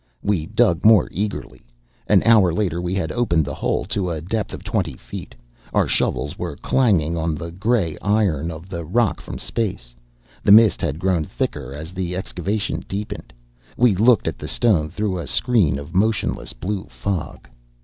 We dug more eagerly. An hour later we had opened the hole to a depth of twenty feet. Our shovels were clanging on the gray iron of the rock from space. The mist had grown thicker as the excavation deepened; we looked at the stone through a screen of motionless blue fog.